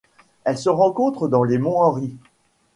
Elle se rencontre dans les monts Henry.